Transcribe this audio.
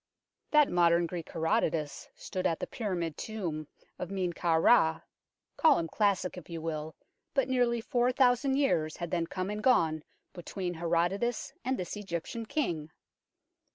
That modern Greek Herodotus stood at the pyramid tomb of Men kau Ra call him classic if you will, but nearly four thousand years had then come and gone between Herodotus and this Egyptian King.